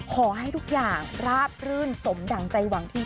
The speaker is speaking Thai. ขอให้ทุกอย่างราบรื่นสมดั่งใจหวังที